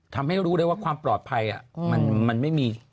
ทำให้รู้ได้ว่าความปลอดภัยมันไม่มี